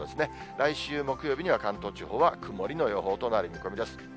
来週木曜日には、関東地方は曇りの予報となる見込みです。